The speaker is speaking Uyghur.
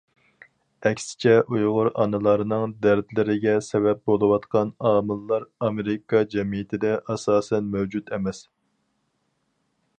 ئەكسىچە ئۇيغۇر ئانىلارنىڭ دەردلىرىگە سەۋەب بولۇۋاتقان ئامىللار ئامېرىكا جەمئىيىتىدە ئاساسەن مەۋجۇت ئەمەس.